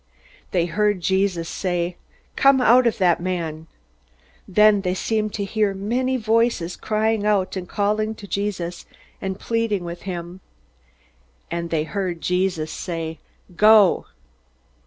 They heard Jesus say: "Come out of the man!" Then they seemed to hear many Voices crying out, and calling to Jesus, and pleading with him. And they heard Jesus say, "Go!"